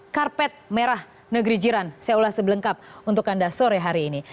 karpet merah negeri jiran saya ulas sebelengkap untuk anda sore hari ini